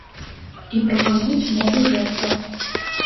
І прапануюць мову жэстаў.